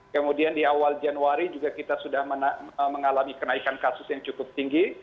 kemudian di awal januari juga kita sudah mengalami kenaikan kasus yang cukup tinggi